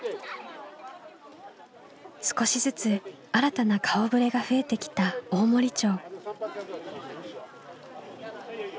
少しずつ新たな顔ぶれが増えてきた大森町。